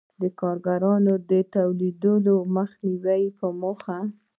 د کارګرانو د راټولېدو مخنیوی یې موخه و.